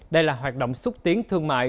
đây là hoạt động xúc tiến thương mại